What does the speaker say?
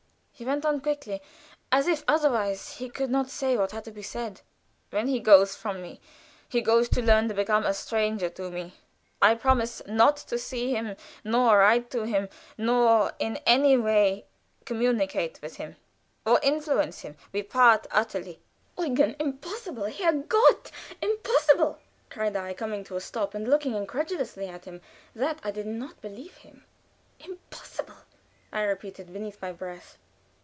He went on quickly, as if otherwise he could not say what had to be said: "When he goes from me, he goes to learn to become a stranger to me. I promise not to see him, nor write to him, nor in any way communicate with him, or influence him. We part utterly and entirely." "Eugen! Impossible! Herrgott! Impossible!" cried I, coming to a stop, and looking incredulously at him. That I did not believe. "Impossible!" I repeated, beneath my breath.